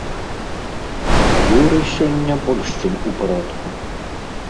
Юрый сёння больш чым у парадку.